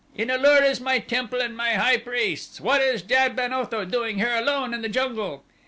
In A lur is my temple and my high priests. What is Jad ben Otho doing here alone in the jungle?"